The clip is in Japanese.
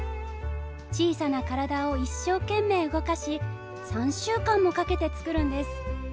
小さな体を一生懸命動かし３週間もかけて作るんです。